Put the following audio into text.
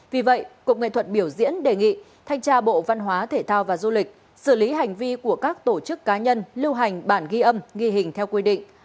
vì vậy cục nghệ thuật biểu diễn đề nghị thanh tra bộ văn hóa thể thao và du lịch xử lý hành vi của các tổ chức cá nhân lưu hành bản ghi âm ghi hình theo quy định